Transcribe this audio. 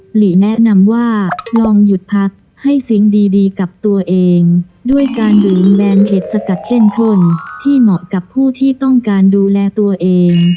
หลีแนะนำว่าลองหยุดพักให้สิ่งดีกับตัวเองด้วยการลืมแบนเห็ดสกัดเข้มข้นที่เหมาะกับผู้ที่ต้องการดูแลตัวเอง